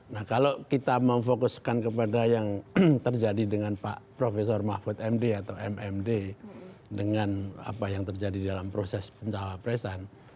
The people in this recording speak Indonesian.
nah kalau kita memfokuskan kepada yang terjadi dengan pak profesor mahfud md atau mmd dengan apa yang terjadi dalam proses pencawa presan